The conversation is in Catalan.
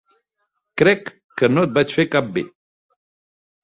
Crec que no et vaig fer cap bé.